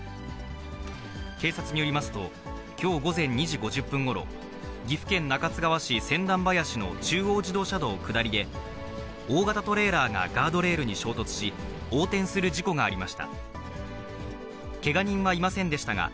警察によりますと、きょう午前２時５０分ごろ、岐阜県中津川市千旦林の中央自動車道下りで、大型トレーラーがガードレールに衝突し、横転する事故がありました。